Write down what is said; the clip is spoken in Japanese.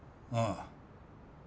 ああ。